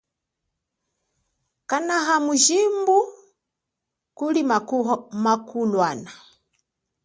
Kanahan mujibu kuli makulwana.